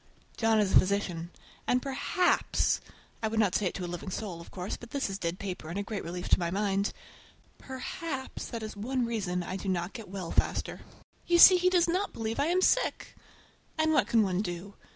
John is a physician, and perhaps—(I would not say it to a living soul, of course, but this is dead paper and a great relief to my mind)—perhaps that is one reason I do not get well faster. You see, he does not believe I am sick! And what can one do?